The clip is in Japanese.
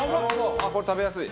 あっこれ食べやすい。